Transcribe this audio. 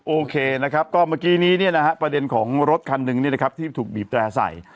โอเคนะครับก็เมื่อกี้นี้นะครับประเด็นของรถคันหนึ่งนะครับที่ถูกบีบแจ่ใส่